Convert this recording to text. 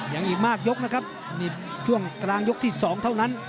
อีกมากยกนะครับนี่ช่วงกลางยกที่๒เท่านั้น